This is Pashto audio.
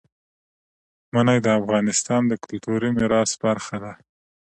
منی د افغانستان د کلتوري میراث برخه ده.